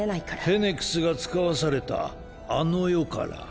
フェネクスが遣わされたあの世から。